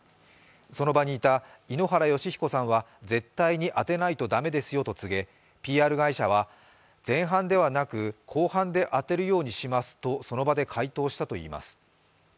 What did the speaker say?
その場にいた井ノ原快彦さんは絶対に当てないと駄目ですよとつげＰＲ会社は前半ではなく後半で当てるようにしますとその場で回答したといいます。